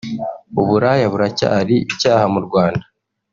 uburaya buracyari icyaha mu Rwanda